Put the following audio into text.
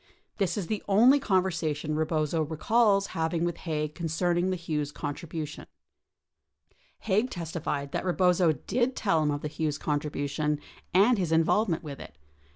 This is the only conversation Eebozo recalls having with Haig concerning the Hughes contribution. 48 Haig testified that Eebozo did tell him of the Hughes contribution, and his involvement with it.